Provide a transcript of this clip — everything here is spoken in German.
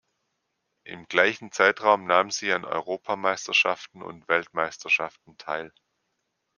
Im gleichen Zeitraum nahm sie an Europameisterschaften und Weltmeisterschaften teil.